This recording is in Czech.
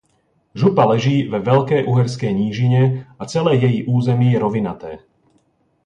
Župa leží ve Velké uherské nížině a celé její území je rovinaté.